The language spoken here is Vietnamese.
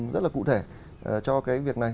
rất là cụ thể cho cái việc này